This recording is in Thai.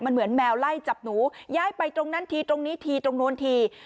มันเหมือนแมวไล่จับหนูย้ายไปตรงนั้นทีตรงนี้ทีตรงนู้นที